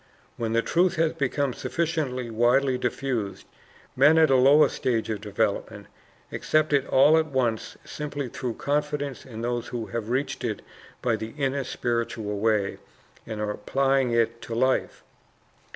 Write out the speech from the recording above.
When the truth has become sufficiently widely diffused, men at a lower stage of development accept it all at once simply through confidence in those who have reached it by the inner spiritual way, and are applying it to life.